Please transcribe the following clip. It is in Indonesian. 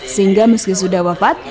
sehingga meski sudah wafat